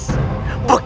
dan juga mempunuhku